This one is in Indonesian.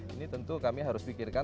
ini tentu kami harus pikirkan